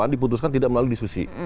diputuskan tidak melalui diskusi